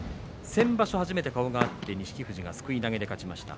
先場所初めて顔が合って錦富士がすくい投げで勝ちました。